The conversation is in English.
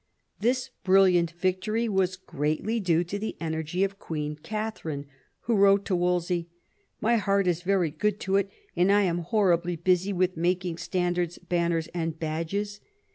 This brilliant victory was greatly due to the energy of Queen Katharine, who wrote to Wolsey, " My heart is very good to it, and I am horribly busy with making standards, banners, and badges."